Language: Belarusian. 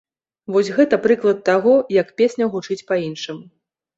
Вось гэта прыклад таго, як песня гучыць па-іншаму.